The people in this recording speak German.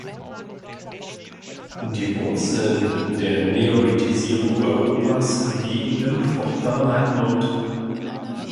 Die Wurzeln der Neolithisierung Europas liegen im Fruchtbaren Halbmond.